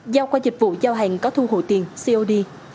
giao qua dịch vụ giao hàng có thu hộ tiền cod